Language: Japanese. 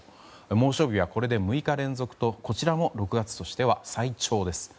猛暑日はこれで６日連続とこちらも６月としては最長です。